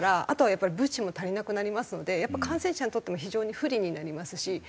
あとはやっぱり物資も足りなくなりますのでやっぱり感染者にとっても非常に不利になりますし。